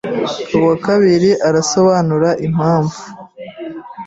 Uwakabiri arasobanura impamvu